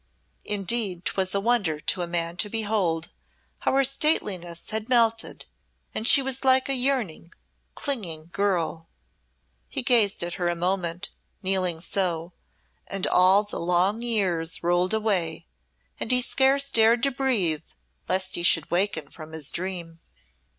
Indeed 'twas a wonder to a man to behold how her stateliness had melted and she was like a yearning, clinging girl. He gazed at her a moment, kneeling so, and all the long years rolled away and he scarce dared to breathe lest he should waken from his dream.